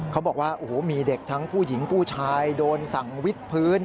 เขาบอกว่าโอ้โหมีเด็กทั้งผู้หญิงผู้ชายโดนสั่งวิทย์พื้น